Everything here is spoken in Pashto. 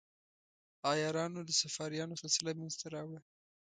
عیارانو د صفاریانو سلسله منځته راوړه.